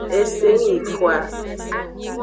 Eseyingkoa.